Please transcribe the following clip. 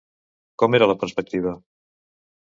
Com era la perspectiva?